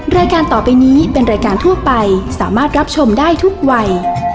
รายการต่อไปนี้เป็นรายการทั่วไปสามารถรับชมได้ทุกวัย